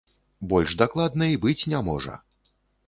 Больш дакладна і быць не можа.